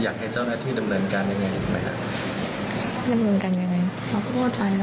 อยากให้เจ้าหน้าที่ดำเนินกันยังไง